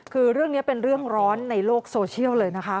คือเรื่องนี้เป็นเรื่องร้อนในโลกโซเชียลเลยนะคะ